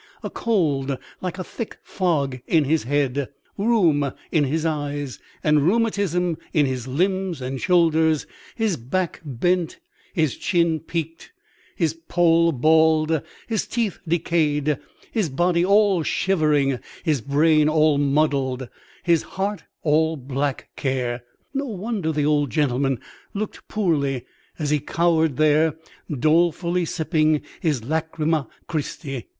A cold like a thick fog in his head, rheum in his eyes, and rheumatism in his limbs and shoulders, his back bent, his chin peaked, his poll bald, his teeth decayed, his body all shivering, his brain all muddle, his heart all black care; no wonder the old gentleman looked poorly as he cowered there, dolefully sipping his Lachryma Christi.